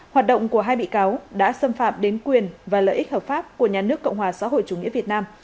hoạt động của hai bị cáo đã xâm phạm đến quyền và lợi ích hợp pháp của nhà nước cộng hòa xã hội chủ nghĩa việt nam